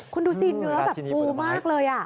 คุณดูสิเนื้อแบบฟูมากเลย